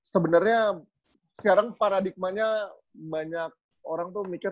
sebenarnya sekarang paradigmanya banyak orang tuh mikir